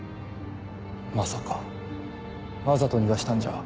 まさかわざと逃がしたんじゃ。